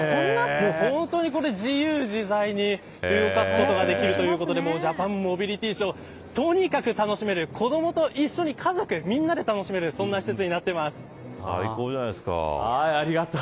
本当に自由自在に動かすことができるということでジャパンモビリティショーとにかく楽しめる子どもと一緒に家族で楽しめる施設になっています。